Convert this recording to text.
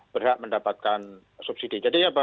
berhak mendapatkan subsidi